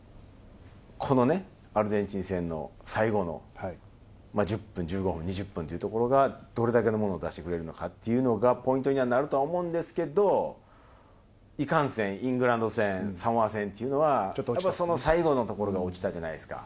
このアルゼンチン戦の最後の１０分、１５分、２０分っていうところが、どれだけのものを出してくれるのかっていうのがポイントにはなるとは思うんですけれども、いかんせん、イングランド戦、サモア戦っていうのは、その最後のところが落ちたじゃないですか。